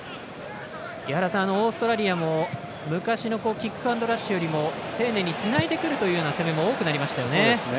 オーストラリアも昔のキックアンドラッシュよりも丁寧につないでくるような攻めも多くなりましたよね。